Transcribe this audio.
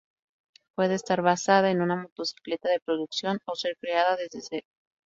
Puede estar basada en una motocicleta de producción o ser creada desde cero.